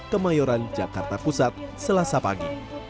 kemayoran jakarta pusat selasa pagi